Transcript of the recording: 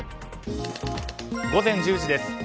午前１０時です。